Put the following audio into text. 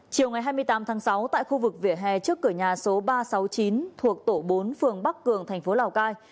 chiều ngày hai mươi tám tháng sáu tại khu vực vỉa hè trước cửa nhà số ba trăm sáu mươi chín thuộc tổ bốn phường bắc cường thành phố lào cai